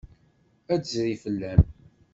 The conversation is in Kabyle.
Ad d-tezri fell-am.